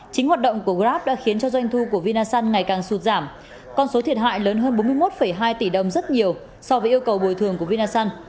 chính hoạt động của grab đã khiến cho doanh thu của vinasun ngày càng sụt giảm con số thiệt hại lớn hơn bốn mươi một hai tỷ đồng rất nhiều so với yêu cầu bồi thường của vinasun